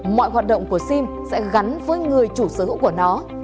mọi hoạt động của sim sẽ gắn với người chủ sở hữu của nó